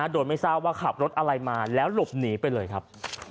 โดยไม่ทราบว่าขับรถอะไรมาแล้วหลบหนีไปเลยครับ